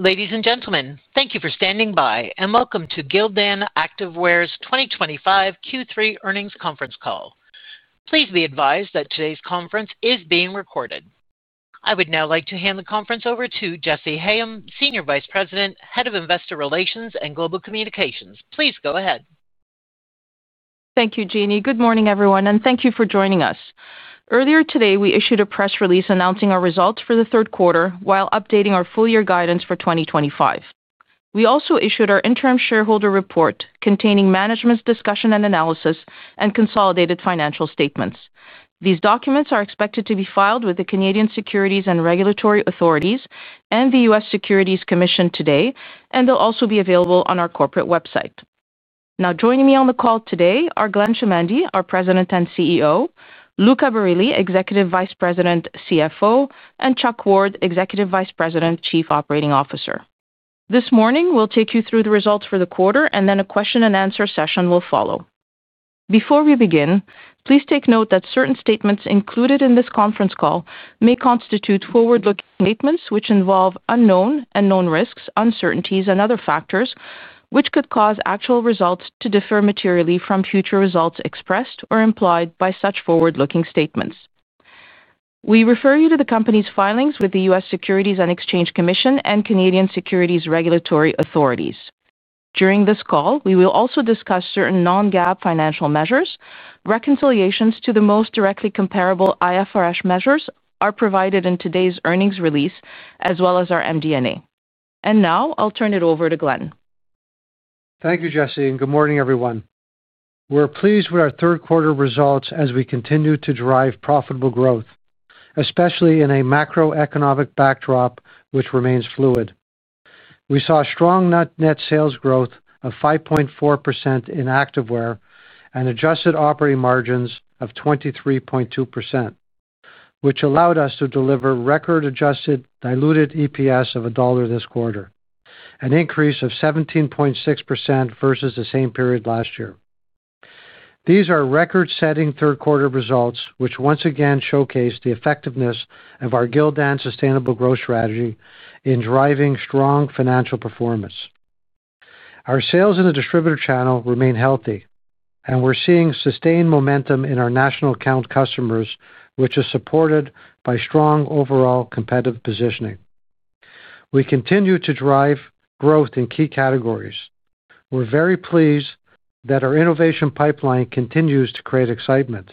Ladies and gentlemen, thank you for standing by and welcome to Gildan Activewear's 2025 Q3 earnings conference call. Please be advised that today's conference is being recorded. I would now like to hand the conference over to Jessy Hayem, Senior Vice President, Head of Investor Relations and Global Communications. Please go ahead. Thank you, Jeannie. Good morning everyone and thank you for joining us. Earlier today we issued a press release announcing our results for the third quarter. While updating our full year guidance for 2025, we also issued our interim shareholder report containing management's discussion and analysis and consolidated financial statements. These documents are expected to be filed with the Canadian securities and regulatory authorities and the U.S. Securities Commission today, and they'll also be available on our corporate website. Now, joining me on the call today are Glenn Chamandy, our President and CEO, Luca Barile, Executive Vice President, CFO, and Chuck Ward, Executive Vice President, Chief Operating Officer. This morning we'll take you through the results for the quarter and then a question and answer session will follow. Before we begin, please take note that certain statements included in this conference call may constitute forward-looking statements which involve unknown and known risks, uncertainties, and other factors which could cause actual results to differ materially from future results expressed or implied by such forward-looking statements. We refer you to the company's filings with the U.S. Securities and Exchange Commission and Canadian securities regulatory authorities. During this call we will also discuss certain non-GAAP financial measures. Reconciliations to the most directly comparable IFRS measures are provided in today's earnings release as well as our MD&A. And now I'll turn it over to Glenn. Thank you Jessy and good morning everyone. We're pleased with our third quarter results as we continue to drive profitable growth, especially in a macroeconomic backdrop which remains fluid. We saw strong net sales growth of 5.4% in Activewear and adjusted operating margins of 23.2%, which allowed us to deliver record adjusted diluted EPS of $1.00 this quarter, an increase of 17.6% versus the same period last year. These are record-setting third quarter results which once again showcase the effectiveness of our Gildan Sustainable Growth strategy in driving strong financial performance. Our sales in the distributor channel remain healthy and we're seeing sustained momentum in our national account customers, which is supported by strong overall competitive positioning. We continue to drive growth in key categories. We're very pleased that our innovation pipeline continues to create excitement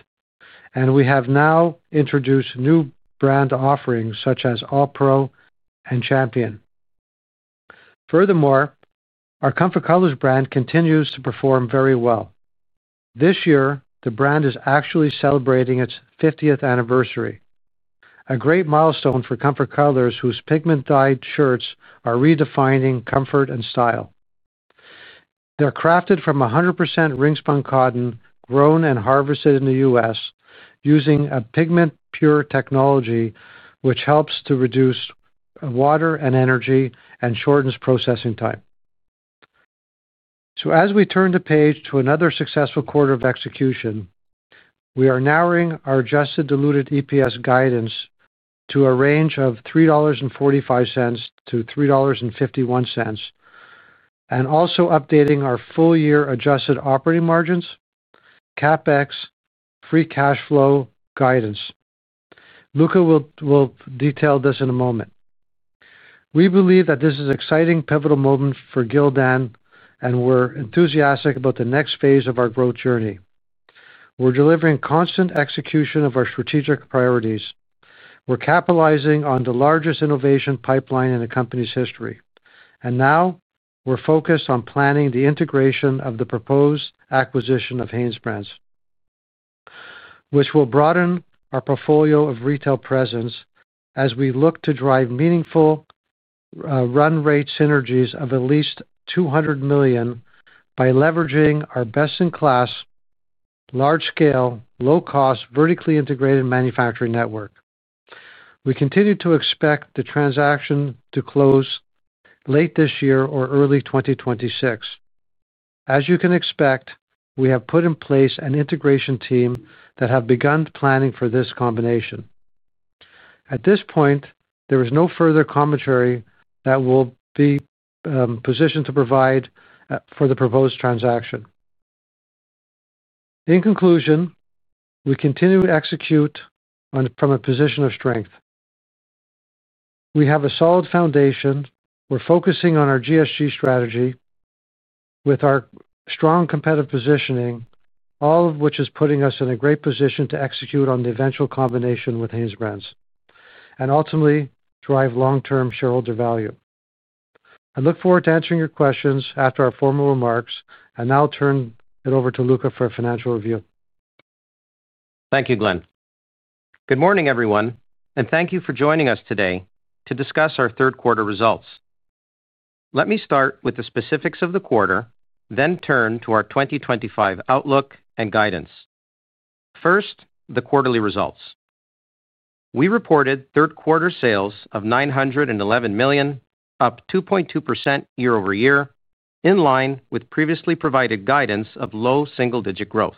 and we have now introduced new brand offerings such as All Pro and Champion. Furthermore, our Comfort Colors brand continues to perform very well this year. The brand is actually celebrating its 50th anniversary, a great milestone for Comfort Colors, whose pigment-dyed shirts are redefining comfort and style. They're crafted from 100% ring spun cotton grown and harvested in the U.S. using a pigment pure technology which helps to reduce water and energy and shortens processing time. As we turn the page to another successful quarter of execution, we are narrowing our adjusted diluted EPS guidance to a range of $3.45-$3.51 and also updating our full year adjusted operating margins, CapEx, free cash flow guidance. Luca will detail this in a moment. We believe that this is an exciting, pivotal moment for Gildan and we're enthusiastic about the next phase of our growth journey. We're delivering constant execution of our strategic priorities. We're capitalizing on the largest innovation pipeline in the company's history and now we're focused on planning the integration of the proposed acquisition of Hanesbrands, which will broaden our portfolio of retail presence as we look to drive meaningful run-rate synergies of at least $200 million by leveraging our best-in-class, large-scale, low-cost, vertically integrated manufacturing network. We continue to expect the transaction to close late this year or early 2026. As you can expect, we have put in place an integration team that has begun planning for this combination. At this point, there is no further commentary that we'll be positioned to provide for the proposed transaction. In conclusion, we continue to execute from a position of strength. We have a solid foundation. We're focusing on our GSG strategy with our strong competitive positioning, all of which is putting us in a great position to execute on the eventual combination with Hanesbrands and ultimately drive long-term shareholder value. I look forward to answering your questions after our formal remarks. Now I'll turn it over to Luca for a financial review. Thank you, Glenn. Good morning, everyone, and thank you for joining us today to discuss our third quarter results. Let me start with the specifics of the quarter, then turn to our 2025 outlook and guidance. First, the quarterly results. We reported third quarter sales of $911 million, up 2.2% year-over-year, in line with previously provided guidance of low single digit growth.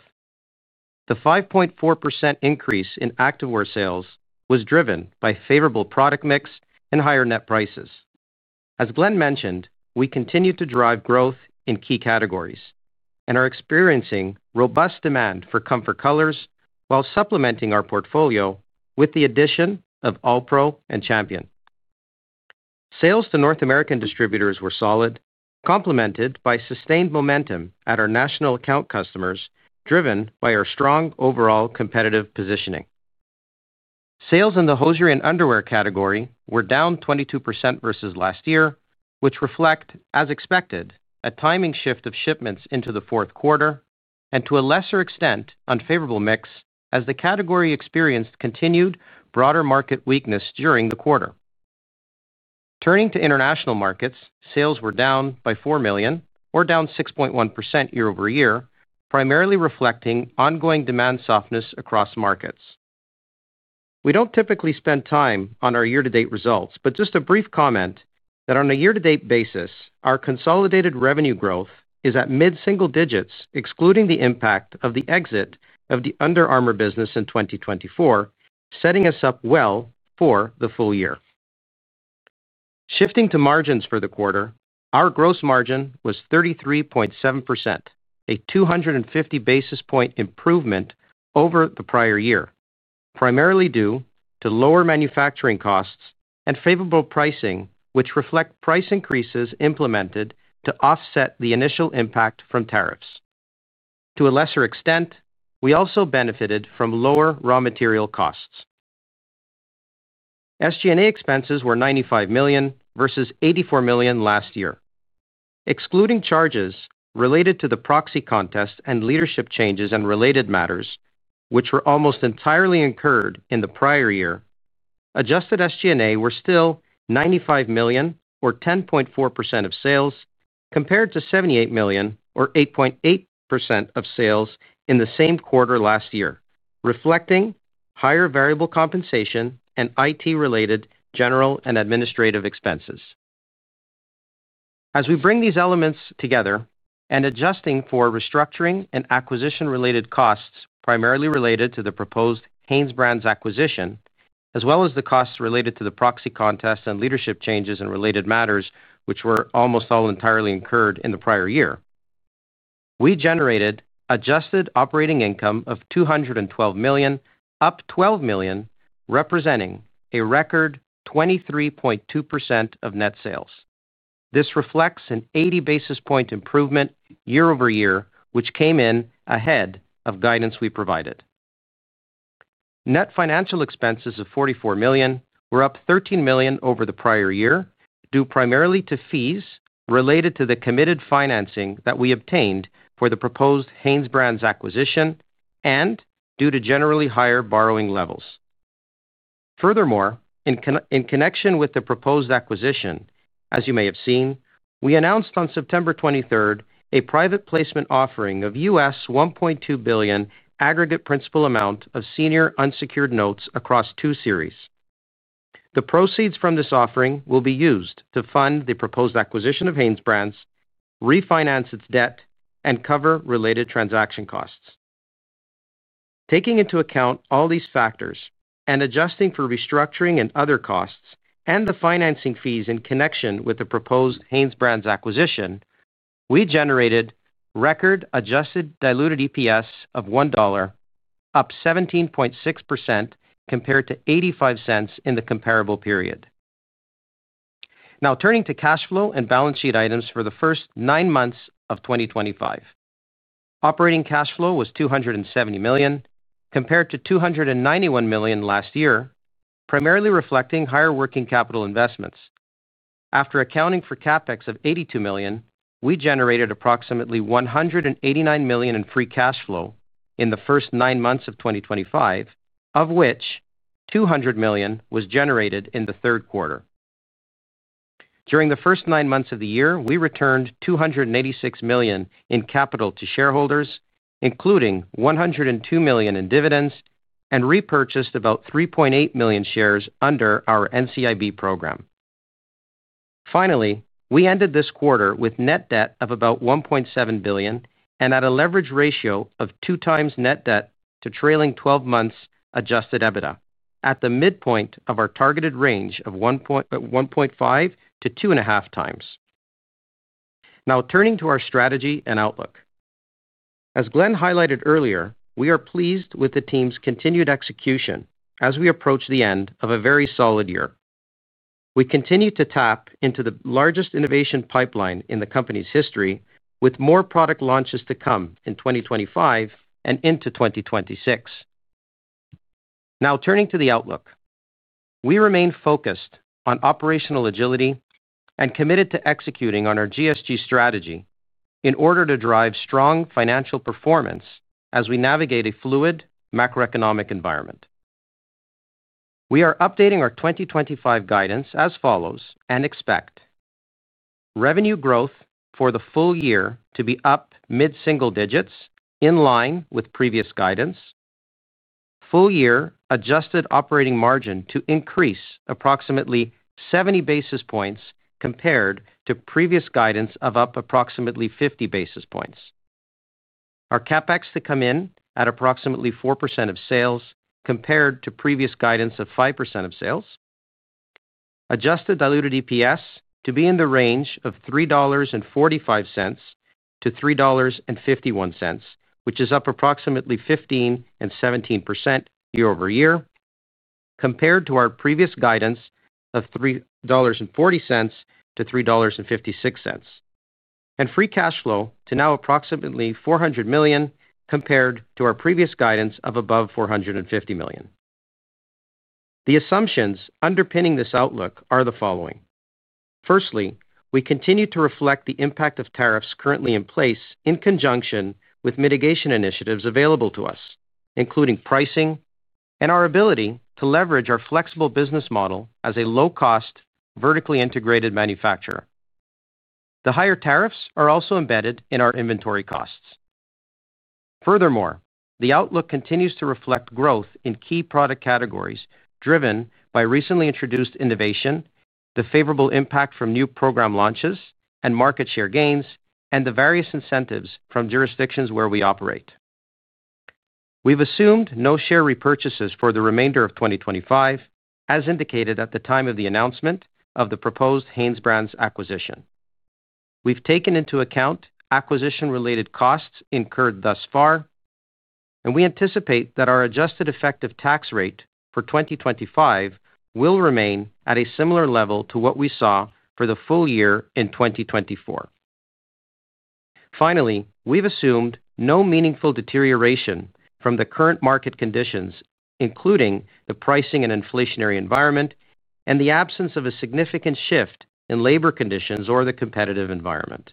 The 5.4% increase in activewear sales was driven by favorable product mix and higher net prices. As Glenn mentioned, we continue to drive growth in key categories and are experiencing robust demand for Comfort Colors while supplementing our portfolio with the addition of All Pro and Champion. Sales to North American distributors were solid, complemented by sustained momentum at our national account customers, traffic driven by our strong overall competitive positioning. Sales in the hosiery underwear category were down 22% versus last year, which reflect, as expected, a timing shift of shipments into the fourth quarter and, to a lesser extent, unfavorable mix as the category experienced continued broader market weakness during the quarter. Turning to international markets, sales were down by $4 million, or down 6.1% year-over-year, primarily reflecting ongoing demand softness across markets. We don't typically spend time on our year to date results, but just a brief comment that on a year to date basis, our consolidated revenue growth is at mid single digits excluding the impact of the exit of the Under Armour business in 2024, setting us up well for the full year. Shifting to margins for the quarter, our gross margin was 33.7%, a 250 basis point improvement over the prior year, primarily due to lower manufacturing costs and favorable pricing, which reflect price increases implemented to offset the initial impact from tariffs. To a lesser extent, we also benefited from lower raw material costs. SG&A expenses were $95 million versus $84 million last year. Excluding charges related to the proxy contest and leadership changes and related matters, which were almost entirely incurred in the prior year, adjusted SG&A were still $95 million or 10.4% of sales, compared to $78 million or 8.8% of sales in the same quarter last year, reflecting higher variable compensation and IT related general and administrative expenses. As we bring these elements together and adjusting for restructuring and acquisition related costs primarily related to the proposed Hanesbrands acquisition, as well as the costs related to the proxy contest and leadership changes and related matters which were almost all entirely incurred in the prior year, we generated adjusted operating income of $212 million, up $12 million representing a record 23.2% of net sales. This reflects an 80 basis point improvement year-over-year which came in ahead of guidance we provided. Net financial expenses of $44 million were up $13 million over the prior year due primarily to fees related to the committed financing that we obtained for the proposed Hanesbrands acquisition and due to generally higher borrowing levels. Furthermore, in connection with the proposed acquisition, as you may have seen, we announced on September 23rd a private placement offering of $1.2 billion aggregate principal amount of senior unsecured notes across two series. The proceeds from this offering will be used to fund the proposed acquisition of Hanesbrands, refinance its debt and cover related transaction costs. Taking into account all these factors and adjusting for restructuring and other costs and the financing fees in connection with the proposed Hanesbrands acquisition, we generated record adjusted diluted EPS of $1, up 17.6% compared to $0.85 in the comparable period. Now turning to cash flow and balance sheet items. For the first nine months of 2025, operating cash flow was $270 million compared to $291 million last year, primarily reflecting higher working capital investments. After accounting for CapEx of $82 million, we generated approximately $189 million in free cash flow in the first nine months of 2025, of which $200 million was generated in the third quarter. During the first nine months of the year, we returned $286 million in capital to shareholders, including $102 million in dividends, and repurchased about 3.8 million shares under our NCIB program. Finally, we ended this quarter with net debt of about $1.7 billion and at a leverage ratio of 2x net debt to trailing twelve months Adjusted EBITDA at the midpoint of our targeted range of 1.5 to 2.5x. Now turning to our strategy and outlook as Glenn highlighted earlier, we are pleased with the team's continued execution as we approach the end of a very solid year. We continue to tap into the largest innovation pipeline in the company's history with more product launches to come in 2025 and into 2026. Now turning to the outlook, we remain focused on operational agility and committed to executing on our GSG strategy in order to drive strong financial performance as we navigate a fluid macroeconomic environment. We are updating our 2025 guidance as follows and expect revenue growth for the full year to be up mid single digits in line with previous guidance. Full year adjusted operating margin to increase approximately 70 basis points compared to previous guidance of up approximately 50 basis points. Our CapEx to come in at approximately 4% of sales compared to previous guidance of 5% of sales. Adjusted diluted EPS to be in the range of $3.45-$3.51, which is up approximately 15% and 17% year-over-year compared to our previous guidance of $3.40-$3.56 and free cash flow to now approximately $400 million compared to our previous guidance of above $450 million. The assumptions underpinning this outlook are the following. Firstly, we continue to reflect the impact of tariffs currently in place in conjunction with mitigation initiatives available to us, including pricing and our ability to leverage our flexible business model as a low cost, vertically integrated manufacturer. The higher tariffs are also embedded in our inventory costs. Furthermore, the outlook continues to reflect growth in key product categories driven by recently introduced innovation, the favorable impact from new program launches and market share gains, and the various incentives from jurisdictions where we operate. We've assumed no share repurchases for the remainder of 2025 as indicated at the time of the announcement of the proposed Hanesbrands acquisition. We've taken into account acquisition related costs incurred thus far, and we anticipate that our adjusted effective tax rate for 2025 will remain at a similar level to what we saw for the full year in 2024. Finally, we've assumed no meaningful deterioration from the current market conditions, including the pricing and inflationary environment, and the absence of a significant shift in labor conditions or the competitive environment.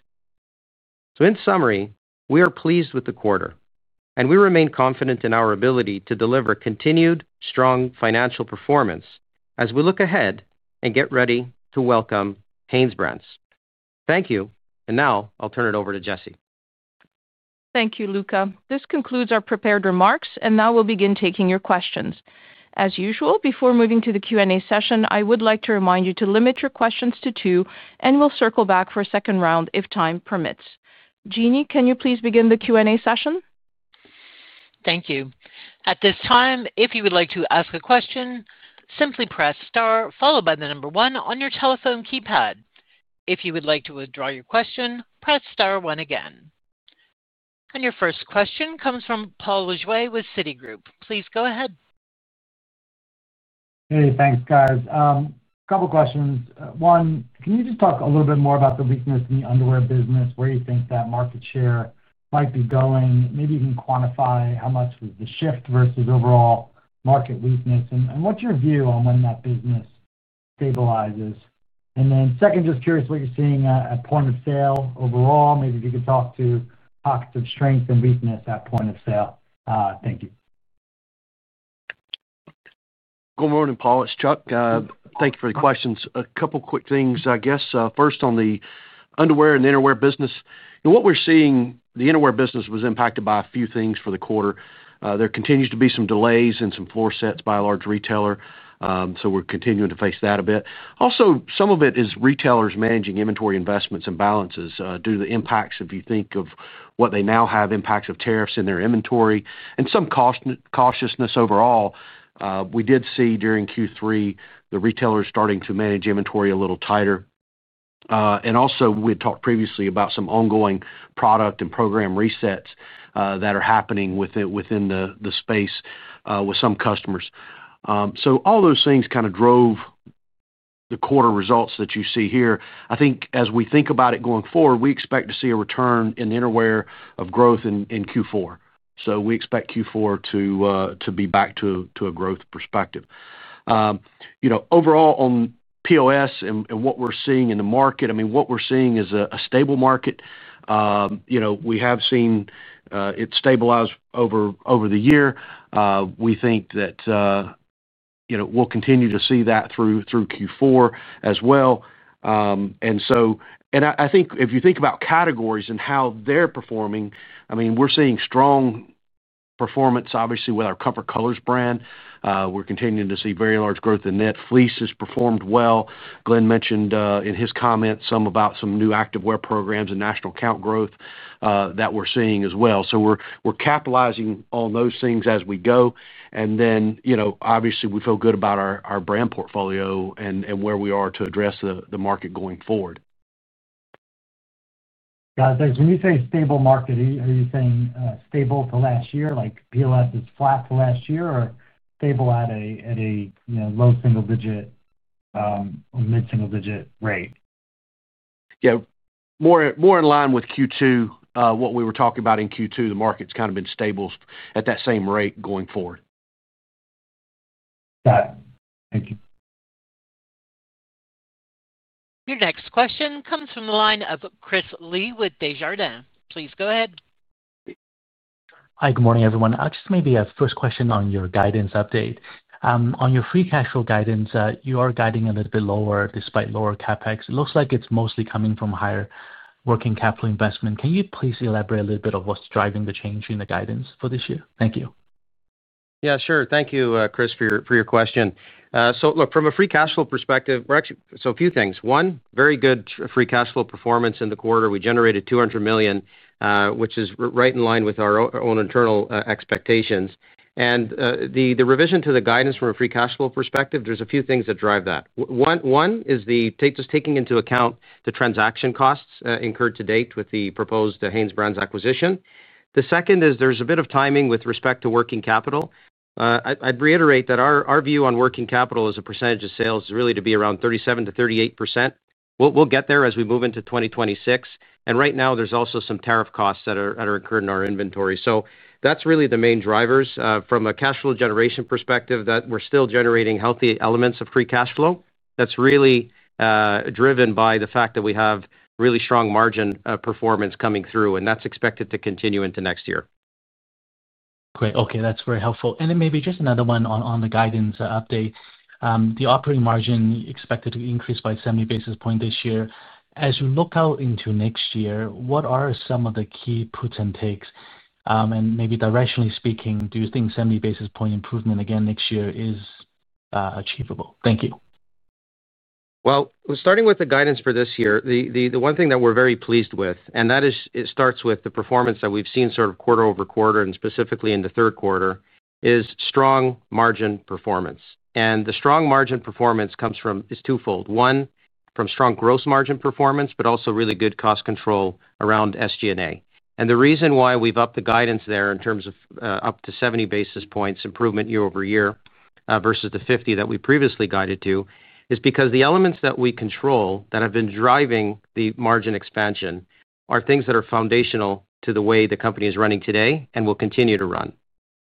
In summary, we are pleased with the quarter and we remain confident in our ability to deliver continued strong financial performance as we look ahead and get ready to welcome Hanesbrands. Thank you. Now I'll turn it over to Jessy. Thank you, Luca. This concludes our prepared remarks. We will now begin taking your questions as usual. Before moving to the Q&A session, I would like to remind you to limit your questions to two. We will circle back for a second round if time permits. Jeanne, can you please begin the Q&A session? Thank you. At this time, if you would like to ask a question, simply press star followed by the number one on your telephone keypad. If you would like to withdraw your question, press star one again. Your first question comes from Paul Lejuez with Citigroup. Please go ahead. Hey, thanks guys. A couple questions. One, can you just talk a little bit more about the weakness in the Underwear business, where you think that market share might be going? Maybe you can quantify how much was the shift versus overall market weakness, and what's your view on when that business stabilizes? Second, just curious what you're seeing at point of sale overall. Maybe if you could talk to pockets of strength and weakness at point of sale. Thank you. Good morning Paul, it's Chuck. Thank you for the questions. A couple quick things I guess. First on the underwear and innerwear business, what we're seeing, the innerwear business was impacted by a few things for the quarter. There continue to be some delays in some floor sets by a large retailer. We're continuing to face that a bit. Also, some of it is retailers managing inventory investments and balances due to the impacts. If you think of what they now have, impacts of tariffs in their inventory and some cost cautiousness overall. We did see during Q3 the retailers starting to manage inventory a little tighter. We had talked previously about some ongoing product and program resets that are happening within the space with some customers. All those things kind of drove the quarter results that you see here. I think as we think about it going forward, we expect to see a return in innerwear of growth in Q4. We expect Q4 to be back to a growth perspective overall on POS and what we're seeing in the market. What we're seeing is a stable market. We have seen it stabilize over the year. We think that we'll continue to see that through Q4 as well. I think if you think about categories and how they're performing, we're seeing strong performance, obviously, with our Comfort Colors brand. We're continuing to see very large growth in knit. Fleece has performed well. Glenn mentioned in his comments about some new activewear programs and national account growth that we're seeing as well. We're capitalizing on those things as we go. Obviously, we feel good about our brand portfolio and where we are to address the market going forward. Got it, thanks. When you say stable market, are you saying stable to last year? Like POS is flat to last year or stable at a low single digit? Mid single digit rate? Yeah, more in line with Q2, what we were talking about in Q2. The market's kind of been stable at that same rate going forward. Got it, thank you. Your next question comes from the line of Chris Li with Desjardins. Please go ahead. Hi, good morning, everyone. Just maybe a first question on your guidance update on your free cash flow guidance. You are guiding a little bit lower despite lower CapEx, it looks like it's mostly coming from higher working capital investment. Can you please elaborate a little bit on what's driving the change in the guidance for this year? Thank you. Yeah, sure. Thank you, Chris, for your question. From a free cash flow perspective, a few things. One, very good free cash flow performance. In the quarter we generated $200 million, which is right in line with our own internal expectations and the revision to the guidance. From a free cash flow perspective, there's a few things that drive that. One is just taking into account the transaction costs incurred to date with the proposed Hanesbrands acquisition. The second is there's a bit of timing with respect to working capital. I'd reiterate that our view on working capital as a percentage of sales is really to be around 37%-38%. We'll get there as we move into 2026. Right now there's also some tariff costs that are incurred in our inventory. That's really the main drivers from a cash flow generation perspective that we're still generating healthy elements of free cash flow. That's really driven by the fact that we have really strong margin performance coming through and that's expected to continue into next year. Great. Okay, that's very helpful. Maybe just another one on the guidance update. The operating margin expected to increase by 70 basis points this year. As you look out into next year, what are some of the key puts and takes and maybe directionally speaking, do you think 70 basis points improvement again next year is achievable? Thank you. Starting with the guidance for this year, the one thing that we're very pleased with is it starts with the performance that we've seen sort of quarter over quarter, and specifically in the third quarter is strong margin performance. The strong margin performance comes from twofold: one from strong gross margin performance, but also really good cost control around SG&A. The reason why we've upped the guidance there in terms of up to 70 basis points improvement year-over-year versus the 50 that we previously guided to is because the elements that we control that have been driving the margin expansion are things that are foundational to the way the company is running today and will continue to run.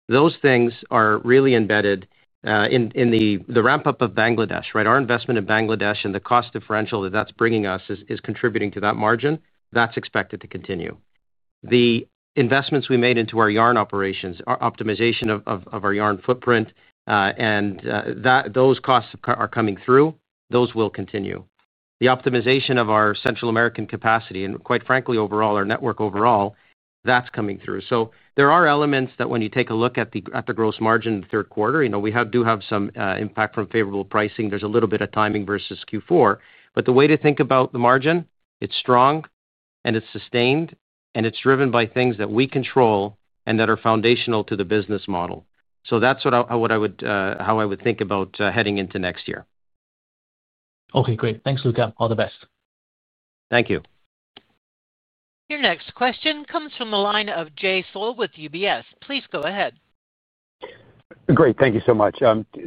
Those things are really embedded in the ramp up of Bangladesh. Our investment in Bangladesh and the cost differential that that's bringing us is contributing to that margin. That's expected to continue. The investments we made into our yarn operations, optimization of our yarn footprint, and those costs are coming through. Those will continue, the optimization of our Central American capacity, and quite frankly, overall, our network overall, that's coming through. There are elements that, when you take a look at the gross margin in the third quarter, we do have some impact from favorable pricing. There's a little bit of timing versus Q4, but the way to think about the margin, it's strong and it's sustained and it's driven by things that we control and that are foundational to the business model. That's how I would think about heading into next year. Okay, great. Thanks, Luca. All the best. Thank you. Your next question comes from the line of Jay Sole with UBS. Please go ahead. Great. Thank you so much.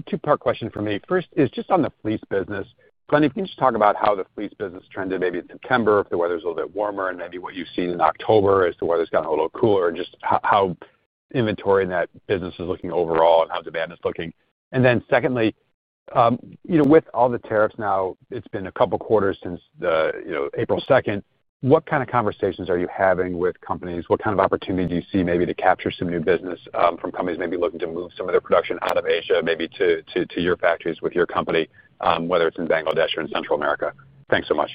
Two part question for me. First is just on the Fleece business, Glenn, if you can just talk about how the Fleece business trended, maybe in September, if the weather's a little bit warmer and maybe what you've seen in October as the weather's gotten a little cooler, just how inventory in that business is looking overall and how demand is looking. Secondly, you know, with all the tariffs now, it's been a couple quarters since April 2nd. What kind of conversations are you having with companies? What kind of opportunity do you see, maybe to capture some new business from companies maybe looking to move some of their production out of Asia, maybe to your factories with your company, whether it's in Bangladesh or in Central America. Thanks so much.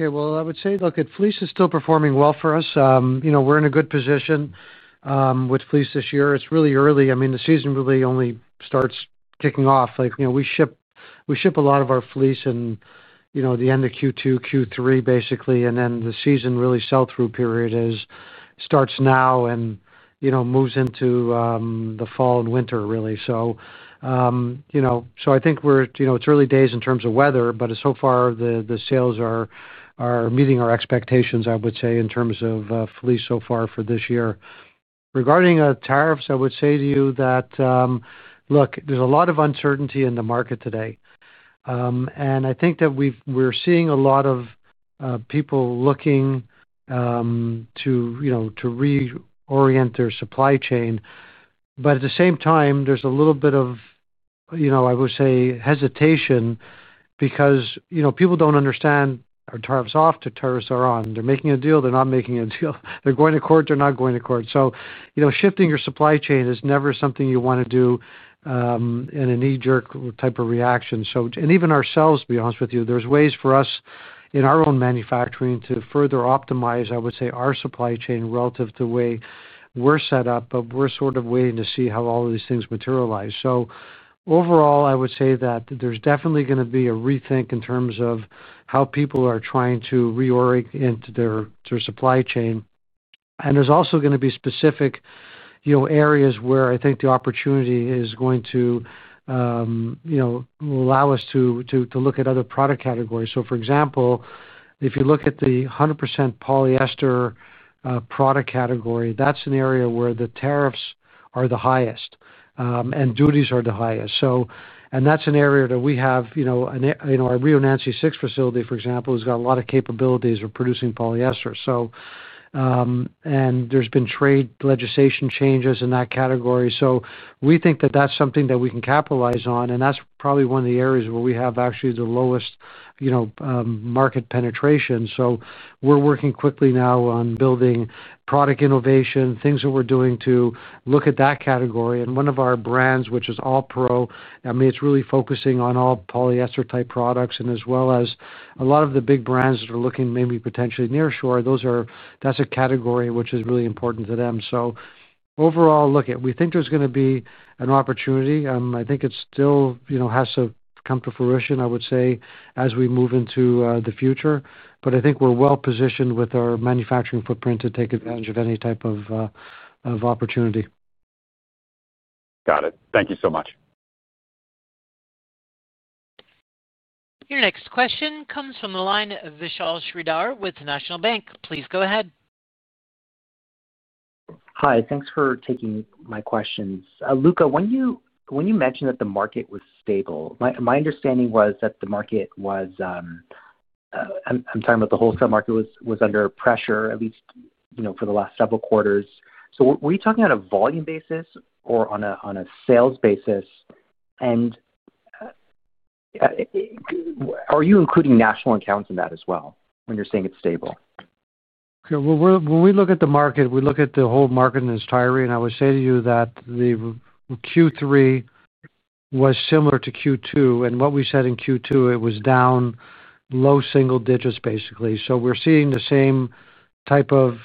Okay. I would say look at Fleece is still performing well for us. We're in a good position with Fleece this year. It's really early. I mean, the season really only starts kicking off, like, you know, we ship a lot of our Fleece at the end of Q2, Q3 basically, and then the season really sell-through period starts now and moves into the fall and winter. I think we're, you know, it's early days in terms of weather, but so far the sales are meeting our expectations. I would say in terms of Fleece so far for this year regarding tariffs, I would say to you that there's a lot of uncertainty in the market today and I think that we're seeing a lot of people looking to reorient their supply chain. At the same time there's a little bit of hesitation because people don't understand are tariffs off, the tariffs are on, they're making a deal, they're not making a deal, they're going to court, they're not going to court. Shifting your supply chain is never something you want to do in a knee-jerk type of reaction. Even ourselves, to be honest with you, there are ways for us in our own manufacturing to further optimize our supply chain relative to the way we're set up. We're sort of waiting to see how all of these things materialize. Overall, I would say that there's definitely going to be a rethink in terms of how people are trying to reorient their supply chain. There's also going to be specific areas where I think the opportunity is going to allow us to look at other product categories. For example, if you look at the 100% polyester product category, that's an area where the tariffs are the highest and duties are the highest. That's an area that we have. Our Rio Nancy 6 facility, for example, has got a lot of capabilities of producing polyesters. So. There have been trade legislation changes in that category. We think that that's something that we can capitalize on, and that's probably one of the areas where we have actually the lowest market penetration. We're working quickly now on building product innovation, things that we're doing to look at that category. One of our brands, which is All Pro, is really focusing on all polyester type products, as well as a lot of the big brands that are looking maybe potentially near shore. That's a category which is really important to them. Overall, we think there's going to be an opportunity. I think it still has to come to fruition, I would say as we move into the future. I think we're well positioned with our manufacturing footprint to take advantage of any type of opportunity. Got it. Thank you so much. Your next question comes from the line Vishal Shreedhar with National Bank. Please go ahead. Hi. Thanks for taking my questions, Luca. When you mentioned that the market was stable, my understanding was that the market. I'm talking about the wholesale market. Was under pressure, at least, you know, for the last several quarters. Are we talking on a volume basis or on a sales basis? Are you including national accounts in that as well when you're saying it's stable? When we look at the market, we look at the whole market in this tier and I would say to you that Q3 was similar to Q2, and what we said in Q2, it was down low single digits basically. We're seeing the same type of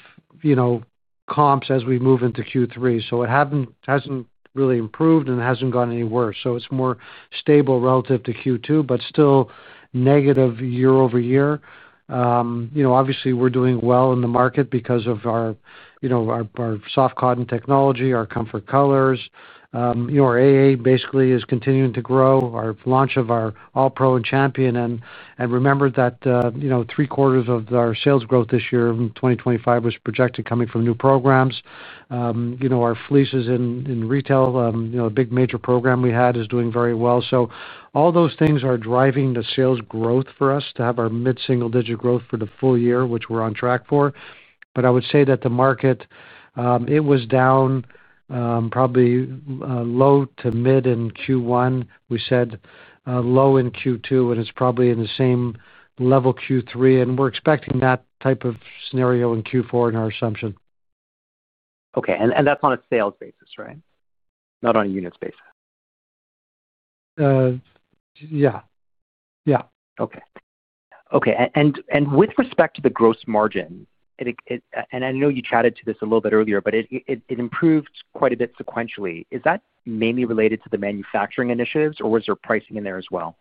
comps as we move into Q3. It hasn't really improved and hasn't gone any worse. It is more stable relative to Q2 but still negative year-over-year. Obviously, we're doing well in the market because of our Soft Cotton Technology, our Comfort Colors. Your AA basically is continuing to grow. Our launch of our All Pro and Champion, and remember that three quarters of our sales growth this year in 2025 was projected coming from new programs. Our Fleeces in retail, a big major program we had, is doing very well. All those things are driving the sales growth for us to have our mid single digit growth for the full year, which we're on track for. I would say that the market was down probably low to mid in Q1, we said low in Q2, and it's probably in the same level Q3, and we're expecting that type of scenario in Q4 in our assumption. Okay, that's on a sales basis, right? Not on a unit space. Yea. Yeah. Okay. Okay. With respect to the gross margin, I know you chatted to this a little bit earlier, but it improved quite a bit sequentially. Is that mainly related to the manufacturing initiatives, or was there pricing in there as well?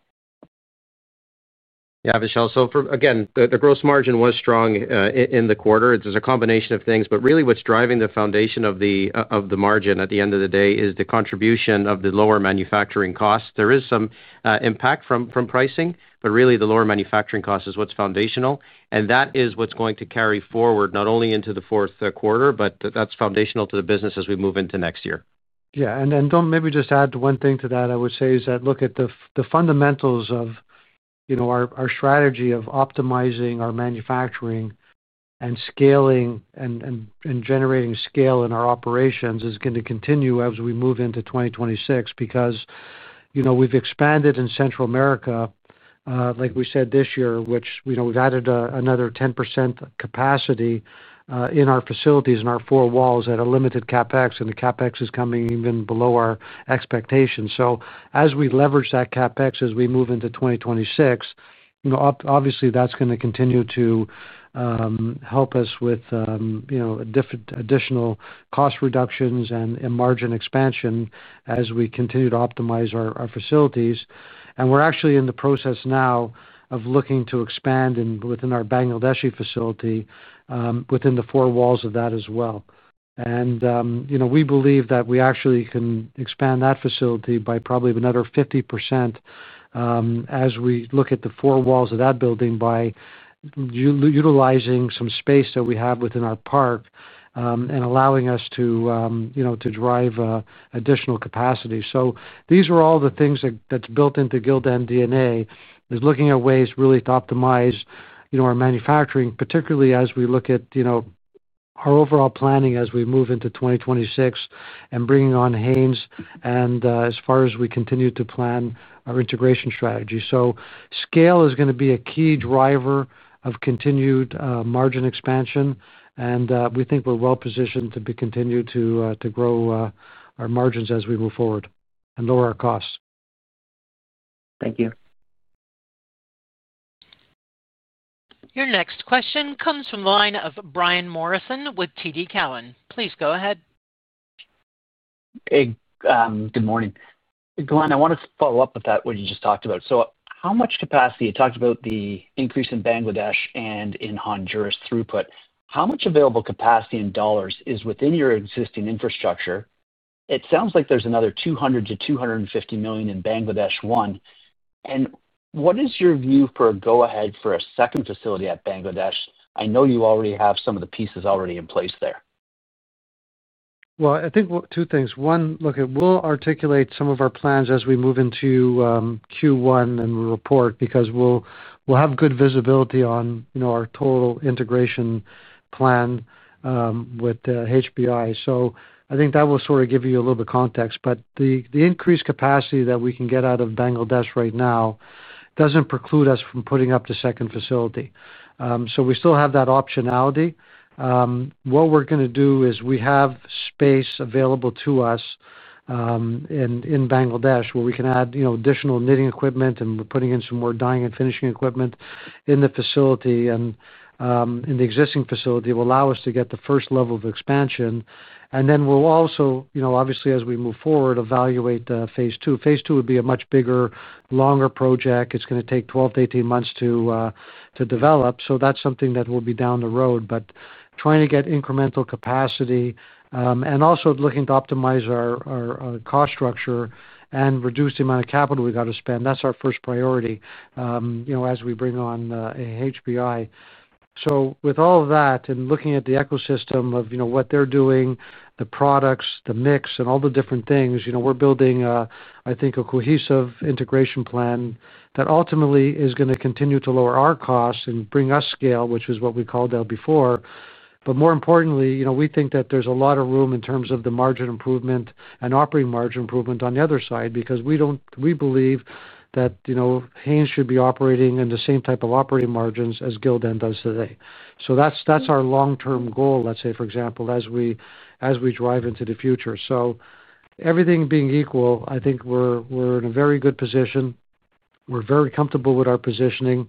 Yeah, Vishal. The gross margin was strong in the quarter. There's a combination of things, but really what's driving the foundation of the margin at the end of the day is the contribution of this lower manufacturing costs. There is some impact from pricing, but really the lower manufacturing cost is what's foundational. That is what's going to carry forward not only into the fourth quarter, but that's foundational to the business as we move into next year. Yeah. Maybe just to add one thing to that, I would say, look at the fundamentals of our strategy of optimizing our manufacturing and scaling and generating scale in our operations is going to continue as we move into 2026, because we've expanded in Central America, like we said this year, which we know we've added another 10% capacity in our facilities, in our four walls at a limited CapEx, and the CapEx is coming even below our expectations. As we leverage that CapEx as we move into 2026, obviously that's going to continue to help us with additional cost reductions and margin expansion as we continue to optimize our facilities. We're actually in the process now of looking to expand within our Bangladesh facility, within the four walls of that as well. We believe that we actually can expand that facility by probably another 50% as we look at the four walls of that building, by utilizing some space that we have within our park and allowing us to drive additional capacity. These are all the things that's built into Gildan MD&A, looking at ways really to optimize our manufacturing, particularly as we look at our overall planning as we move into 2026 and bringing on Hanes. As far as we continue to plan our integration strategy, scale is going to be a key driver of continued margin expansion. We think we're well positioned to continue to grow our margins as we move forward and lower our costs. Thank you. Your next question comes from the line of Brian Morrison with TD Cowen. Please go ahead. Good morning, Glenn. I want to follow-up with that. What you just talked about, how much capacity? You talked about the increase in Bangladesh and in Honduras throughput. How much available capacity in dollars is? Within your existing infrastructure? It sounds like there's another $200 million-$250 million in Bangladesh. What is your view for a go ahead for a second facility at Bangladesh? I know you already have some of. The pieces already in place there. I think two things. One, look, we'll articulate some of our plans as we move into Q1 and report because we'll have good visibility on our total integration plan with HBI. I think that will sort of give you a little bit of context. The increased capacity that we can get out of Bangladesh right now doesn't preclude us from putting up the second facility. We still have that optionality. What we're going to do is we have space available to us in Bangladesh where we can add additional knitting equipment, and we're putting in some more dyeing and finishing equipment in the facility, and in the existing facility will allow us to get the first level of expansion. We'll also obviously as we move forward evaluate phase II. Phase II would be a much bigger, longer project. It's going to take 12 to 18 months to develop. That is something that will be down the road. Trying to get incremental capacity and also looking to optimize our cost structure and reduce the amount of capital we've got to spend, that's our first priority as we bring on HBI. With all that and looking at the ecosystem of what they're doing, the products, the mix, and all the different things we're building, I think a cohesive integration plan that ultimately is going to continue to lower our costs and bring us scale, which is what we called out before. More importantly, we think that there's a lot of room in terms of the margin improvement and operating margin improvement on the other side because we believe that Hanes should be operating in the same type of operating margins as Gildan does today. That's our long-term goal, let's say for example, as we drive into the future. Everything being equal, I think we're in a very good position. We're very comfortable with our positioning,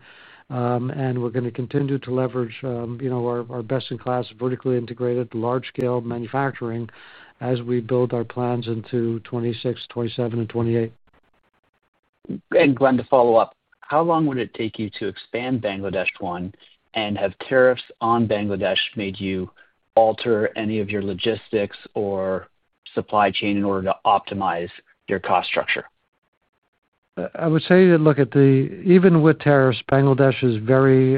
and we're going to continue to leverage our best in class vertically integrated large scale manufacturing as we build our plans into 2026, 2027, and 2028. Glenn, to follow-up, how long would it take you to expand Bangladesh one and have tariffs on Bangladesh made? You alter any of your logistics or. Supply chain in order to optimize your cost structure. I would say look at the, even with tariffs, Bangladesh is very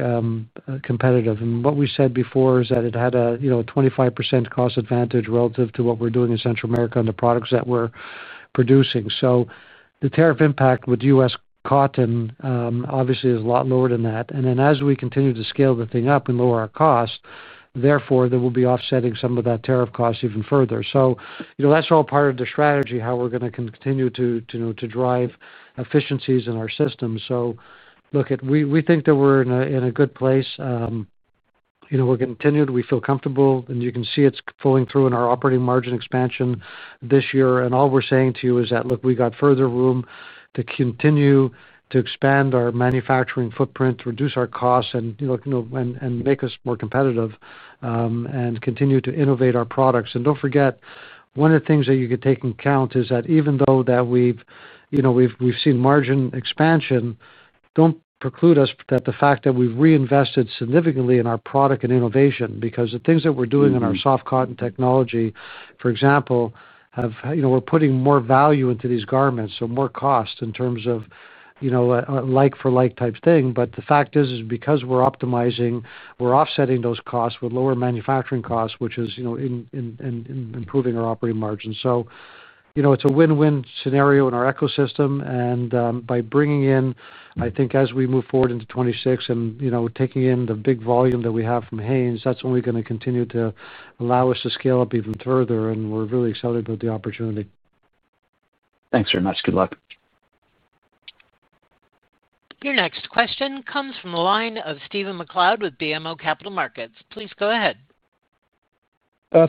competitive. What we said before is that it had a 25% cost advantage relative to what we're doing in Central America and the products that we're producing. The tariff impact with U.S. cotton obviously is a lot lower than that. As we continue to scale the thing up and lower our cost, therefore there will be offsetting some of that tariff cost even further. That's all part of the strategy, how we're going to continue to drive efficiencies in our system. We think that we're in a good place, we're going to continue, we feel comfortable and you can see it's pulling through in our operating margin expansion this year. All we're saying to you is that we got further room to continue to expand our manufacturing footprint, reduce our costs and make us more competitive and continue to innovate our products. Don't forget, one of the things that you could take into account is that even though we've seen margin expansion preclude us, the fact that we've reinvested significantly in our product and innovation because the things that we're doing in our Soft Cotton Technology, for example, we're putting more value into these garments, so more cost in terms of like, for like type thing. The fact is because we're optimizing, we're offsetting those costs with lower manufacturing costs, which is improving our operating margin. It's a win-win scenario in our ecosystem. By bringing in, I think as we move forward into 2026 and taking in the big volume that we have from Hanes, that's only going to continue to allow us to scale up even further. We're really excited about the opportunity. Thanks very much. Good luck. Your next question comes from the line of Stephen MacLeod with BMO Capital Markets. Please go ahead.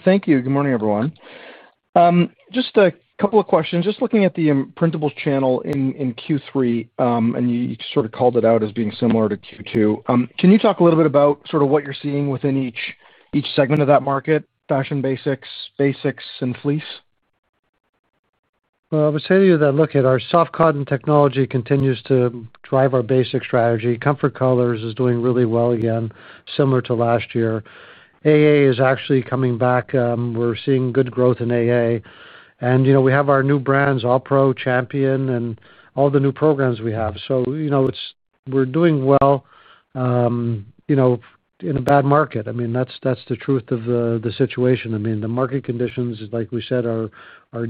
Thank you. Good morning, everyone. Just a couple of questions. Just looking at the printables channel. Q3 and you sort of called it. Out as being similar to Q2. Can you talk a little bit about it? Sort of what you're seeing within each. Segment of that market? Fashion Basics, Basics and Fleece. I would say to you that look at our Soft Cotton Technology continues to drive our basic strategy. Comfort Colors is doing really well, again, similar to last year. AA is actually coming back. We're seeing good growth in AA and we have our new brands, All Pro, Champion, and all the new programs we have. We're doing well in a bad market. That's the truth of the situation. The market conditions, like we said, are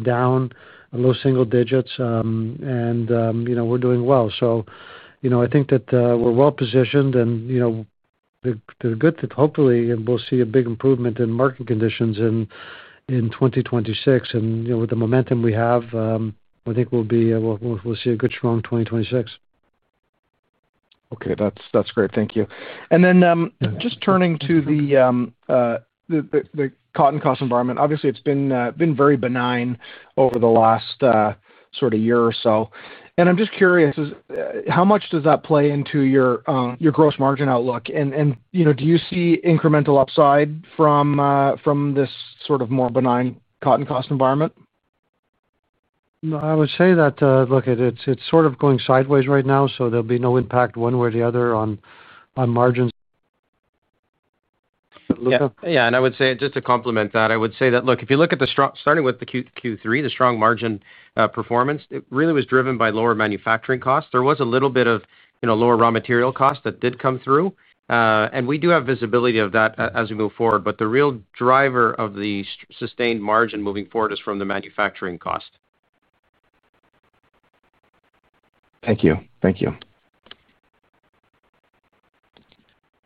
down low single digits and we're doing well. I think that we're well positioned and hopefully we'll see a big improvement in market conditions in 2026. With the momentum we have, I think we'll see a good strong 2026. Okay, that's great. Thank you, and then just turning to the cotton. Cost environment, obviously it's been very benign over the last sort of year or so. I'm just curious, how much does. That play into your gross margin outlook. Do you see incremental upside from this sort of more benign cotton cost environment? I would say that, look, it's sort of going sideways right now, so there'll be no impact one way or the other on margins. I would say, just to complement that, I would say that, look, if. You look at the. Starting with the Q3, the strong margin performance really was driven by lower manufacturing costs. There was a little bit of lower raw material cost that did come through, and we do have visibility of that as we move forward. The real driver of the sustained margin moving forward is from the manufacturing cost. Thank you. Thank you.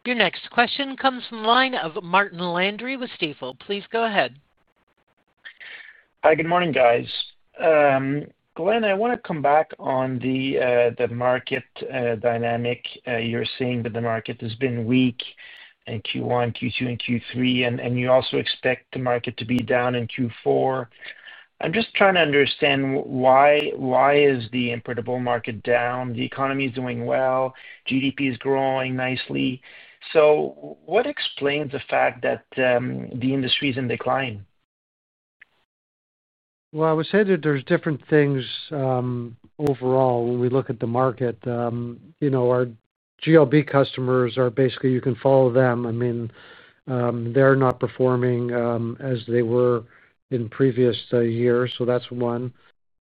Your next question comes from the line of Martin Landry with Stifel. Please go ahead. Good morning, guys. Glenn, I want to come back on the market dynamic. You're seeing that the market has been weak in Q1, Q2, and Q3, and you also expect the market to be down in Q4. I'm just trying to understand why is the importable market down? The economy is doing well. GDP is growing nicely. What explains the fact that the industry is in decline? There are different things overall when we look at the market. Our GLB customers are basically, you can follow them. They're not performing as they were in previous years. That's one.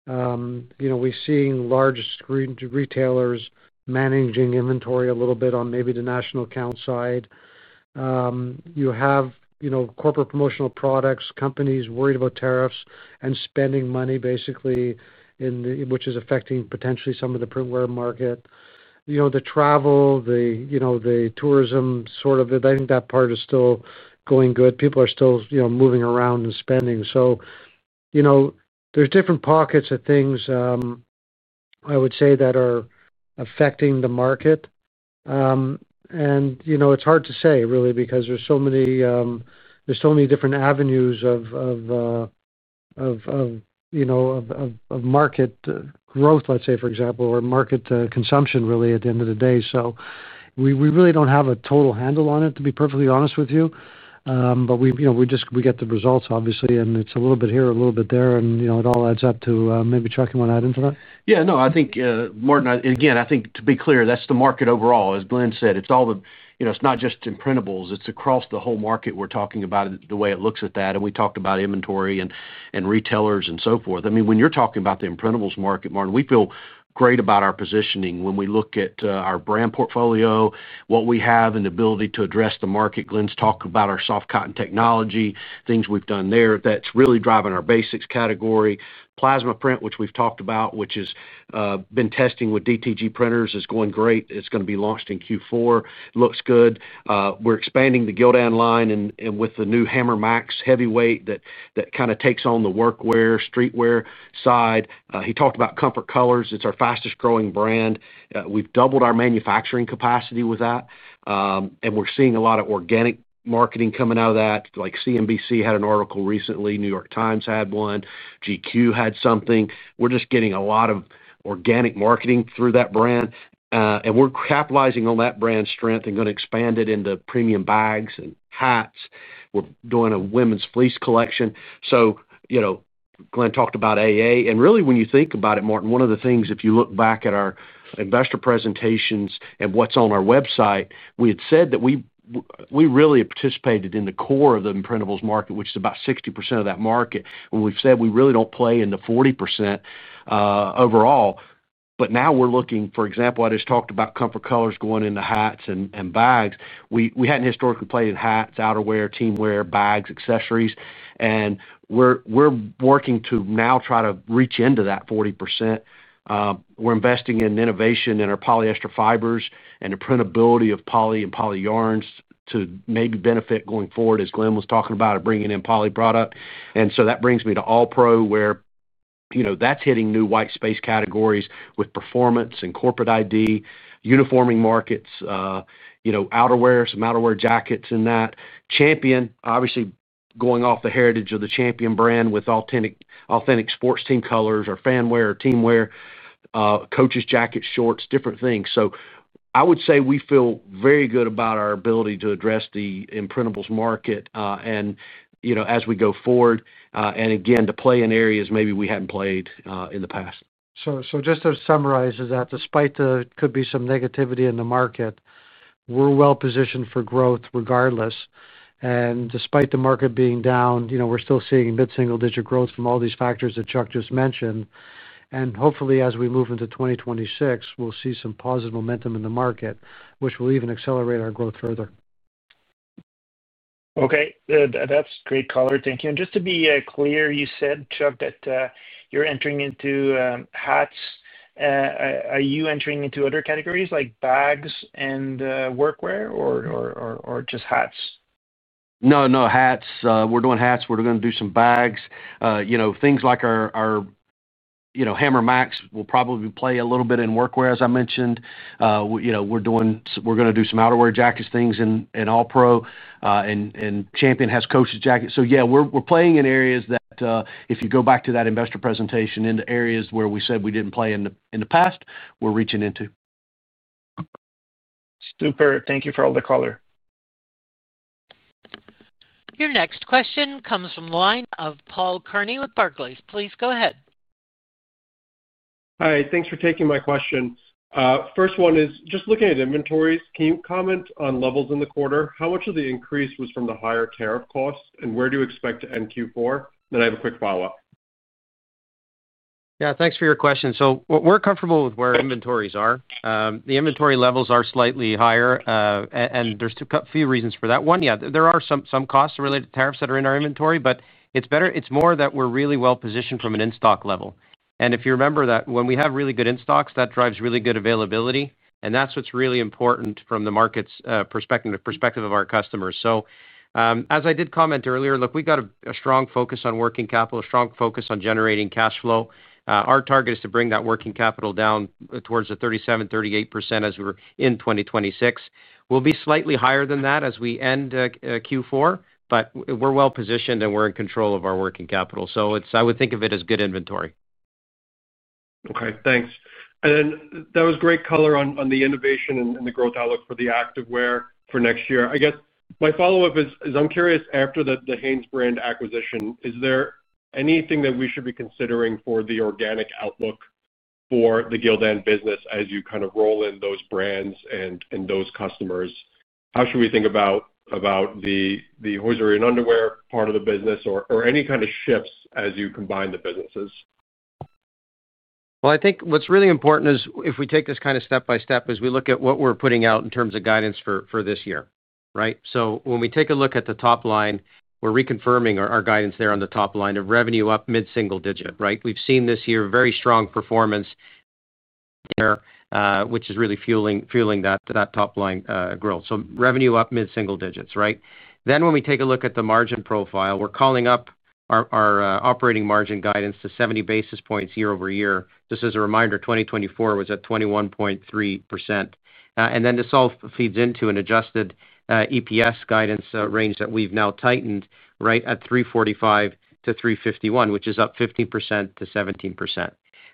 We're seeing large screen retailers managing inventory a little bit on maybe the national account side. You have corporate promotional products companies worried about tariffs and spending money, basically, which is affecting potentially some of the printwear market, the travel, the tourism. I think that part is still going good. People are still moving around and spending. There are different pockets of things, I would say, that are affecting the market. It's hard to say really, because there are so many different avenues of market growth, for example, or market consumption really at the end of the day. We really don't have a total handle on it, to be perfectly honest with you. We just get the results, obviously, and it's a little bit here, a little bit there, and it all adds up to maybe. Chuck, you want to add in for that? Yeah, no, I think, Martin, again, I think, to be clear, that's the market overall. As Glenn said, it's all the, it's not just in printables, it's across the whole market. We're talking about the way it looks at that, and we talked about inventory and retailers and so forth. I mean, when you're talking about the imprintables market, Martin, we feel great about our positioning when we look at our brand portfolio, what we have, and the ability to address the market. Glenn's talk about our Soft Cotton Technology, things we've done there, that's really driving our basics category. Plasma Print, which we've talked about, which has been testing with DTG printers, is going great. It's going to be launched in Q4. Looks good. We're expanding the Gildan line with the new Hammer Max Heavyweight, that kind of takes on the workwear, streetwear side. He talked about Comfort Colors. It's our fastest growing brand. We've doubled our manufacturing capacity with that, and we're seeing a lot of organic marketing coming out of that. Like CNBC had an article recently, New York Times had one, GQ had something. We're just getting a lot of organic marketing through that brand, and we're capitalizing on that brand strength and going to expand it into premium bags and hats. We're doing a women's Fleece collection. Glenn talked about AA, and really, when you think about it, Martin, one of the things, if you look back at our investor presentations and what's on our website, we had said that we really participated in the core of the printables market, which is about 60% of that market. We've said we really don't play in the 40% overall. Now we're looking, for example, I just talked about Comfort Colors going into hats and bags. We hadn't historically played in hats, outerwear, team wear, bags, accessories, and we're working to now try to reach into that 40%. We're investing in innovation in our polyester fibers and the printability of poly and poly yarns to maybe benefit going forward as Glenn was talking about bringing in poly product. That brings me to All Pro, where that's hitting new white space categories with performance and corporate ID uniforming markets, outerwear, some outerwear jackets in that. Champion, obviously going off the heritage of the Champion brand with authentic sports team colors or fanwear or team wear, coaches jackets, shorts, different things. I would say we feel very good about our ability to address the imprintables market as we go forward and again to play in areas maybe we hadn't played in the past. To summarize, despite there could be some negativity in the market, we're well positioned for growth regardless, and despite the market being down, we're still seeing mid single digit growth from all these factors that Chuck just mentioned. Hopefully as we move into 2026, we'll see some positive momentum in the market, which will even accelerate our growth further. Okay, that's great color. Thank you. Just to be clear, you said, Chuck, that you're entering into hats. Are you entering into other categories like bags and workwear or just hats? No hats. We're doing hats. We're going to do some bags. Things like our Hammer Max will probably play a little bit in workwear as I mentioned. We're going to do some outerwear jackets, things in All Pro, and Champion has coaches jackets. We're playing in areas that, if you go back to that investor presentation, into areas where we said we didn't play in the past, we're reaching into. Super. Thank you for all the color. Your next question comes from the line of Paul Kearney with Barclays. Please go ahead. Hi, thanks for taking my question. First one is just looking at inventories, can you comment on levels in the quarter? How much of the increase was from the higher tariff costs, and where do you expect to end Q4? I have a quick follow-up. Yeah, thanks for your question. We're comfortable with where inventories are. The inventory levels are slightly higher and there's a few reasons for that. One, yeah, there are some costs related to tariffs that are in our inventory, but it's more that we're really well positioned from an in stock level. If you remember that when we have really good in stocks that drives really good availability and that's what's really important from the market's perspective, perspective of our customers. As I did comment earlier, look, we've got a strong focus on working capital, strong focus on generating cash flow. Our target is to bring that working capital down towards the 37%, 38% as we were in 2026. We'll be slightly higher than that as we end Q4, but we're well positioned and we're in control of our working capital. I would think of it as good inventory. Okay, thanks. That was great color on the innovation and the growth outlook for the activewear for next year. I guess my follow-up is, I'm curious, after the Hanesbrands acquisition, is there anything that we should be considering for the organic outlook for the Gildan business as you kind of roll in those brands and those customers? How should we think about the hosiery and underwear part of the business or any kind of shifts as you combine the businesses? I think what's really important is if we take this kind of step by step as we look at what we're putting out in terms of guidance for this year. Right. When we take a look at the top line, we're reconfirming our guidance there on the top line of revenue up mid single digit. Right. We've seen this year very strong performance which is really fueling that top line growth. Revenue up mid single digits. Right. When we take a look at the margin profile, we're calling up our operating margin guidance to 70 basis points year-over-year. Just as a reminder, 2024 was at 21.3%. This all feeds into an adjusted EPS guidance range that we've now tightened right at $3.45 to $3.51, which is up 15%-17%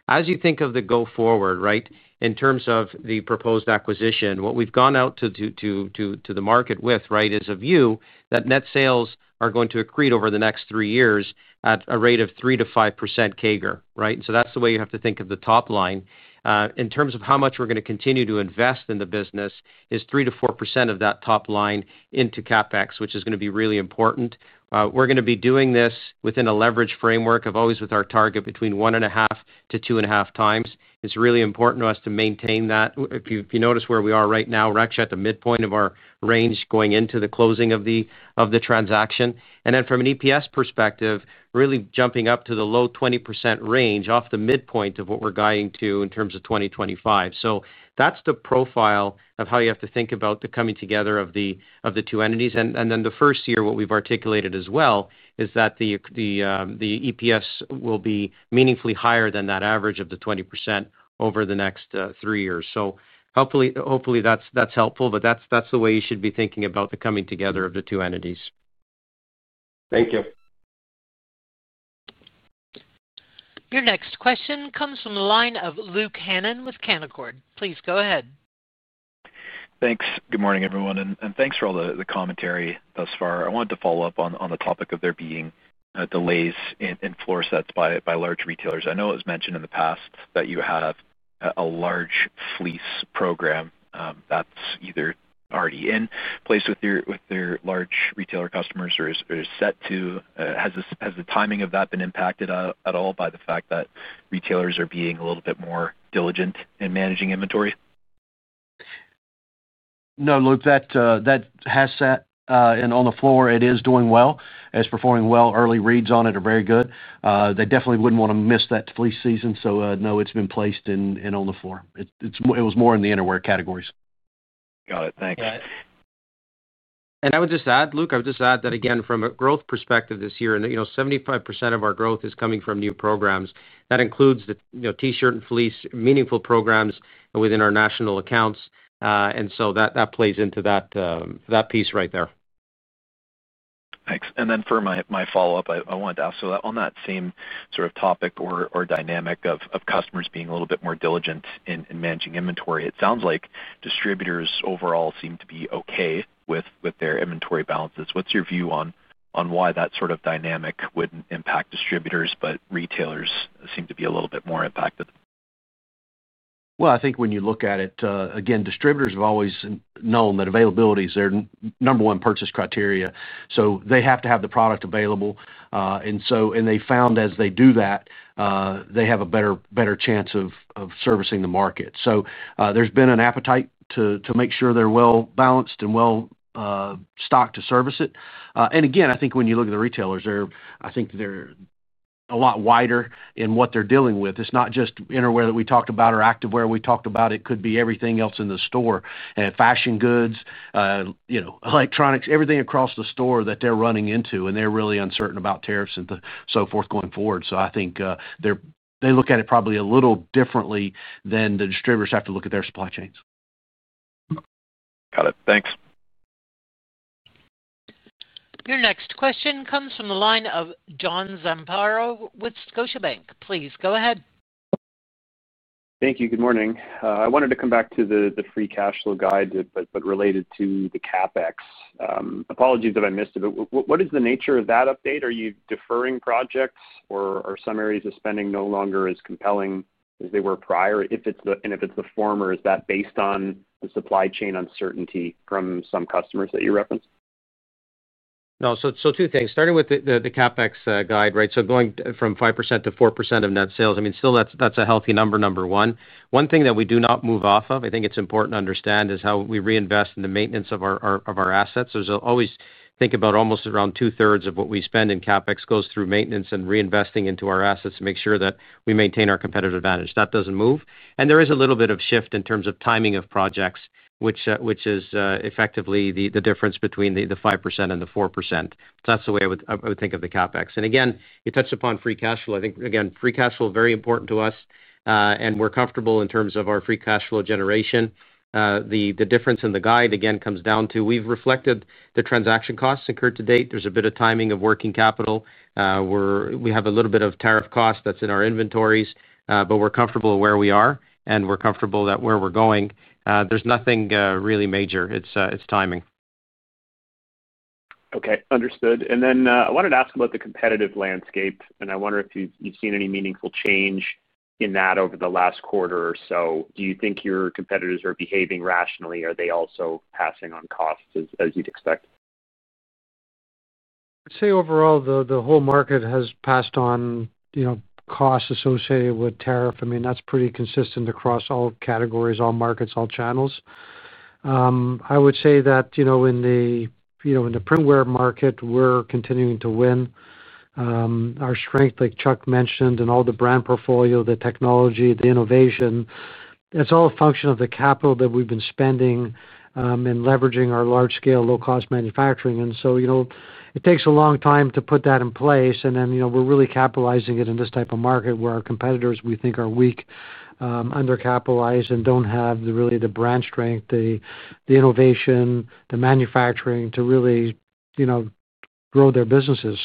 as you think of the go forward. Right. In terms of the proposed acquisition, what we've gone out to the market with is a view that net sales are going to accrete over the next three years at a rate of 3%-5% CAGR. That's the way you have to think of the top line in terms of how much we're going to continue to invest in the business is 3%-4% of that top line into CapEx, which is going to be really important. We're going to be doing this within a leverage framework of always with our target between one and a half to two and a half times. It's really important to us to maintain that. If you notice where we are right now, we're actually at the midpoint of our range going into the closing of the transaction and from an EPS perspective, really jumping up to the low 20% range off the midpoint of what we're guiding to in terms of 2025. That's the profile of how you have to think about the coming together of the two entities. In the first year, what we've articulated as well is that the EPS will be meaningfully higher than that average of the 20% over the next three years. Hopefully that's helpful. That's the way you should be thinking about the coming together of the two entities. Thank you. Your next question comes from the line of Luke Hannan with Canaccord. Please go ahead. Thanks. Good morning everyone, and thanks for all the commentary thus far. I wanted to follow-up on the topic of there being delays in floor sets by large retailers. I know it was mentioned in the past that you have a large Fleece program that's either already in place with their large retailer customers or set to. Has the timing of that been impacted at all by the fact that retailers are being a little bit more diligent in managing inventory? No, Luke, that has set and on the floor it is doing well. It's performing well. Early reads on it are very good. They definitely wouldn't want to miss that Fleece season. It has been placed in on the floor. It was more in the innerwear categories. Got it. Thank you. I would just add, Luke, that again from a growth perspective this year, 75% of our growth is coming from new programs. That includes the T-shirt and Fleece meaningful programs within our national accounts, and that plays into that piece right there. Thanks. For my follow-up, I wanted to ask on that same sort of topic or dynamic of customers being a little bit more diligent in managing inventory. It sounds like distributors overall seem to be okay with their inventory balances. What's your view on why that sort of dynamic wouldn't impact distributors, but retailers seem to be a little bit more impacted? I think when you look at it again, distributors have always known that availability is their number one purchase criteria. They have to have the product available, and they found as they do that they have a better chance of servicing the market. There has been an appetite to make sure they're well balanced and well stocked to service it. I think when you look at the retailers, I think a lot wider in what they're dealing with. It's not just innerwear that we talked about or activewear we talked about. It could be everything else in the store, fashion, goods, electronics, everything across the store that they're running into, and they're really uncertain about tariffs and so forth going forward. I think they look at it probably a little differently than the distributors have to look at their supply chains. Got it. Thanks. Your next question comes from the line of John Zamparo with Scotiabank. Please go ahead. Thank you. Good morning. I wanted to come back to the free cash flow guide but related to the CapEx, apologies if I missed it, what is the nature of that update? Are you deferring projects or are some areas of spending no longer as compelling as they were prior? If it's the former, is that based on the supply chain uncertainty from some customers that you referenced? No. Two things, starting with the CapEx guide, right. Going from 5%-4% of net sales, I mean still that's a healthy number. Number one, one thing that we do not move off of, I think it's important to understand, is how we reinvest in the maintenance of our assets. Always think about almost around two thirds of what we spend in CapEx goes through maintenance and reinvesting into our assets to make sure that we maintain our competitive advantage. That doesn't move. There is a little bit of shift in terms of timing of projects, which is effectively the difference between the 5% and the 4%. That's the way I would think of the CapEx. You touched upon free cash flow. I think again free cash flow is very important to us and we're comfortable in terms of our free cash flow generation. The difference in the guide again comes down to we've reflected the transaction costs incurred to date. There's a bit of timing of working capital, we have a little bit of tariff cost that's in our inventories. We're comfortable where we are and we're comfortable that where we're going there's nothing really major, it's timing. Okay, understood. I wanted to ask about. The competitive landscape, and I wonder if you've seen any meaningful change in that over the last quarter or so. Do you think your competitors are behaving rationally? Are they also passing on costs as you'd expect? I'd say overall the whole market has passed on costs associated with tariff. I mean that's pretty consistent across all categories, all markets, all channels. I would say that in the printwear market we're continuing to win our strength like Chuck mentioned. All the brand portfolio, the technology, the innovation, it's all a function of the capital that we've been spending and leveraging our large scale, low cost manufacturing. It takes a long time to put that in place and then we're really capitalizing it in this type of market where our competitors we think are weak, undercapitalized and don't have really the brand strength, the innovation, the manufacturing to really grow their businesses.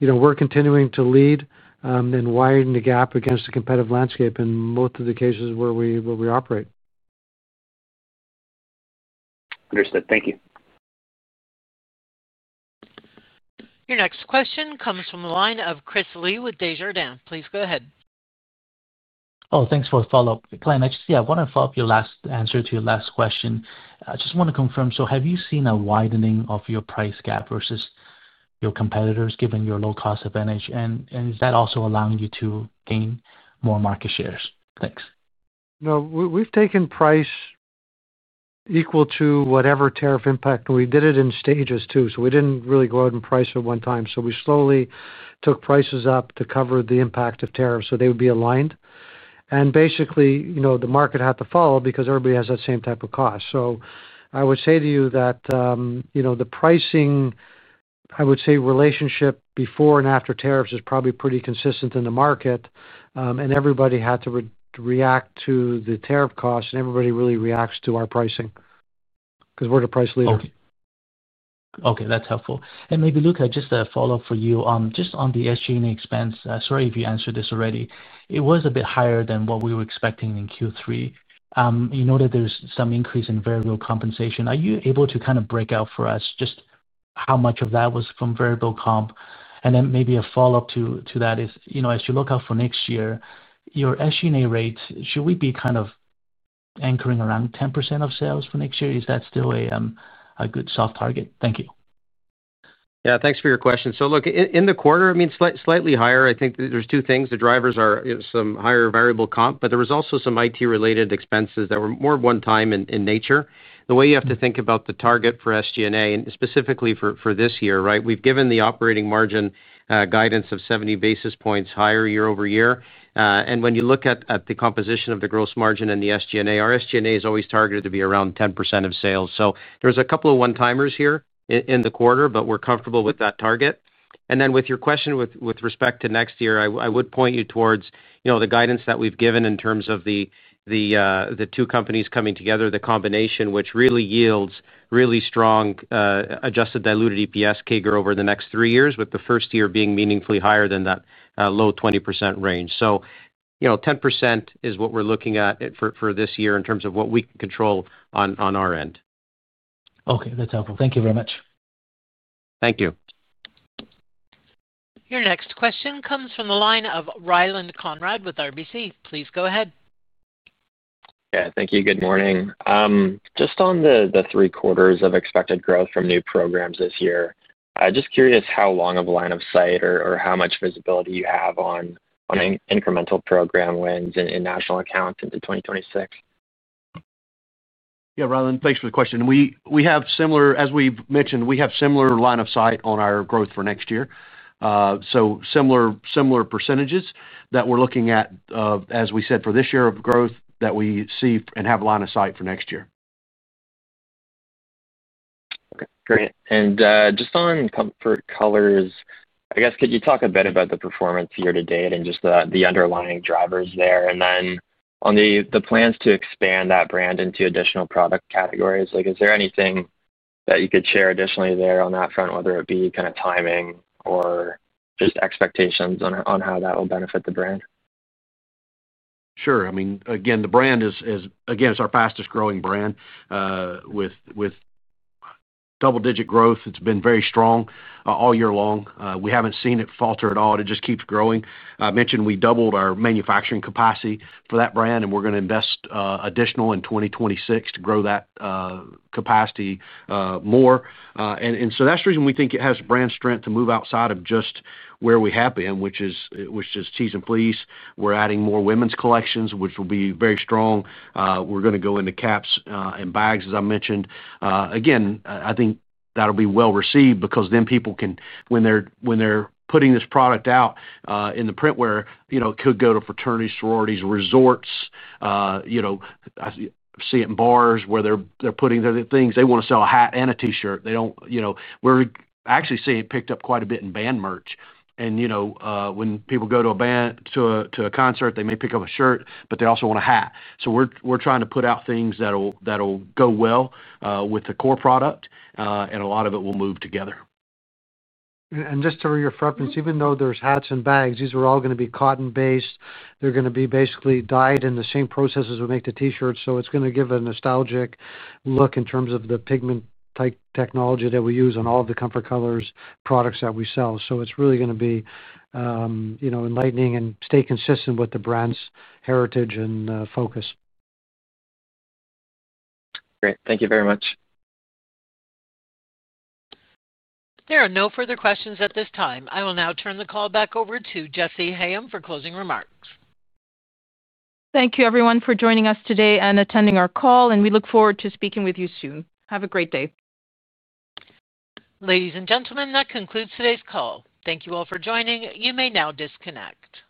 We're continuing to lead and widen the gap against the competitive landscape in both of the cases where we operate. Understood, thank you. Your next question comes from the line of Chris Li with Desjardins. Please go ahead. Thanks for the follow-up, Glenn. I just want to follow-up on your last answer to your last question. I just want to confirm. Have you seen a widening of your price gap versus your competitors given your low cost advantage? Is that also allowing you to gain more market shares? Thanks. No, we've taken price equal to whatever tariff impact. We did it in stages too. We didn't really go out and price at one time. We slowly took prices up to cover the impact of tariffs so they would be aligned, and basically the market had to follow because everybody has that same type of cost. I would say to you that the pricing relationship before and after tariffs is probably pretty consistent in the market, and everybody had to react to the tariff costs, and everybody really reacts to our pricing because we're the price. Okay, that's helpful. Maybe, Luca, just a follow-up for you just on the SG&A expense. Sorry if you answered this already, it was a bit higher than what we were expecting in Q3. You know that there's some increase in variable compensation. Are you able to kind of break out for us just how much of that was from variable comp? A follow-up to that is, as you look out for next year, your SG&A rate, should we be kind of anchoring around 10% of sales for next year? Is that still a good soft target? Thank you. Yeah, thanks for your question. Look, in the quarter, I mean slightly higher, I think there's two things. The drivers are some higher variable comp, but there were also some IT related expenses that were more one time in nature. The way you have to think about the target for SG&A and specifically for this year, right, we've given the operating margin guidance of 70 basis points higher year-over-year. When you look at the composition of the gross margin and the SG&A, our SG&A is always targeted to be around 10% of sales. There's a couple of one timers here in the quarter, but we're comfortable with that target. With your question with respect to next year, I would point you towards the guidance that we've given in terms of the two companies coming together. The combination really yields really strong adjusted diluted EPS CAGR over the next three years with the first year being meaningfully higher than that low 20% range. You know, 10% is what we're looking at for this year in terms of what we can control on our end. Okay, that's helpful. Thank you very much. Thank you. Your next question comes from the line of Ryland Conrad with RBC. Please go ahead. Thank you. Good morning. Just on the three quarters of expected growth from new programs this year, just curious how long of a line of sight or how much visibility you have on incremental program wins in national accounts into 2026. Yeah, Rylan, thanks for the question. We have similar, as we've mentioned, we have similar line of sight on our growth for next year. Similar percentages that we're looking at, as we said, for this year of growth that we see and have line of sight for next year. Great. On Comfort Colors, I guess. Could you talk a bit about the. Performance year to date and just the underlying drivers there, and then on the plans to expand that brand into additional product categories, is there anything that you could share additionally there on that front, whether it be kind of timing or just expectations on how that will benefit the brand? Sure. I mean, again, the brand is, again, it's our fastest growing brand with double-digit growth. It's been very strong all year long. We haven't seen it falter at all. It just keeps growing. I mentioned we doubled our manufacturing capacity for that brand, and we're going to invest additional in 2026 to grow that capacity more. That's the reason we think it has brand strength to move outside of just where we have been, which is tees and Fleece. We're adding more women's collections, which will be very strong. We're going to go into caps and bags, as I mentioned. I think that'll be well received because then people can, when they're putting this product out in the printwear, you know, it could go to fraternities, sororities, resorts, you know, see it in bars where they're putting their things, they want to sell a hat and a T-shirt, they don't. We're actually seeing it picked up quite a bit in band merch. You know, when people go to a band, to a concert, they may pick up a shirt, but they also want a hat. We're trying to put out things that will go well with the core product, and a lot of it will move together. And just to reference, even though there's hats and bags, these are all going to be cotton based. They're going to be basically dyed in the same process as we make the T-shirts. It's going to give a nostalgic look in terms of the pigment type technology that we use on all of the Comfort Colors products that we sell. It's really going to be enlightening and stay consistent with the brand's heritage and focus. Great. Thank you very much. There are no further questions at this time. I will now turn the call back over to Jessy Hayem for closing remarks. Thank you, everyone, for joining us today and attending our call. We look forward to speaking with you soon. Have a great day. Ladies and gentlemen, that concludes today's call. Thank you all for joining. You may now disconnect.